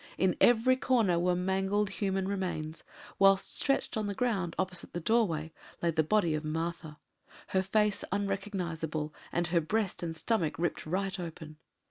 In every corner were mangled human remains; whilst stretched on the ground, opposite the doorway, lay the body of Martha, her face unrecognizable and her breast and stomach ripped right open.